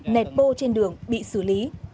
nét bô trên đường bị xử lý